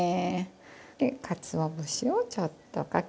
でかつお節をちょっとかけて。